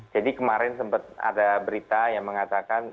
jadi kemarin sempet ada berita yang mengatakan